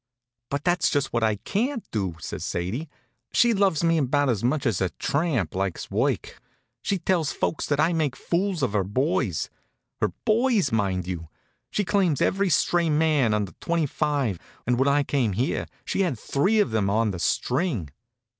"But that's just what I can't do," says Sadie. "She loves me about as much as a tramp likes work. She tells folks that I make fools of her boys. Her boys, mind you! She claims every stray man under twenty five, and when I came here she had three of them on the string.